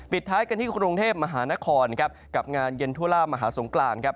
ปิดท้ายกันที่กรุงเทพฯมหานครกับงานเย็นทุลามหาสงกราน